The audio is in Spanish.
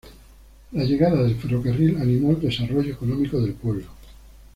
La llegada del ferrocarril animó el desarrollo económico del pueblo.